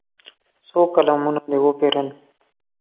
څو قلمونه دې وپېرل.